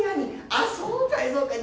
ああそうかいそうかい。